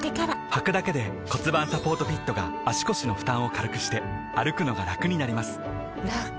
はくだけで骨盤サポートフィットが腰の負担を軽くして歩くのがラクになります